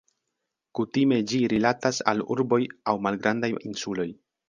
Kutime ĝi rilatas al urboj aŭ malgrandaj insuloj.